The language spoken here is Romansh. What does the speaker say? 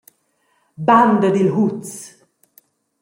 Banda dil huz.